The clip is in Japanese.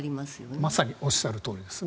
まさにおっしゃるとおりですね。